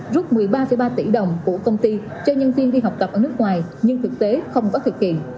rút một mươi ba ba tỷ đồng của công ty cho nhân viên đi học tập ở nước ngoài nhưng thực tế không có thực hiện